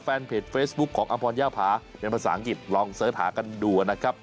แฟนเพจเฟซบุ๊คของอำพรยาภาเป็นภาษาอังกฤษลองเสิร์ชหากันดูนะครับ